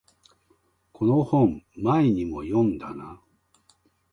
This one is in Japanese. この本前にも読んだな